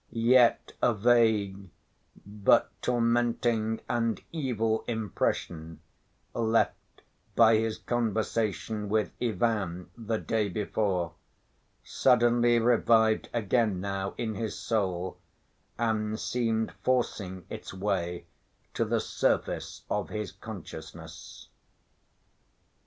Yet a vague but tormenting and evil impression left by his conversation with Ivan the day before, suddenly revived again now in his soul and seemed forcing its way to the surface of his consciousness.